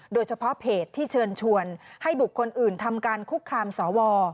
โดยเฉพาะเพจที่เชิญชวนให้บุคคลอื่นทำการคุกคามสว